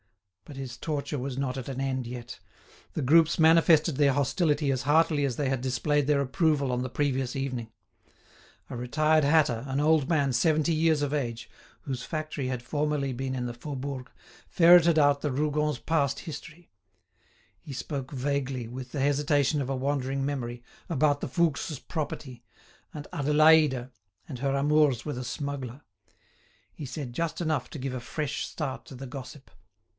But his torture was not at an end yet. The groups manifested their hostility as heartily as they had displayed their approval on the previous evening. A retired hatter, an old man seventy years of age, whose factory had formerly been in the Faubourg, ferreted out the Rougons' past history. He spoke vaguely, with the hesitation of a wandering memory, about the Fouques' property, and Adélaïde, and her amours with a smuggler. He said just enough to give a fresh start to the gossip.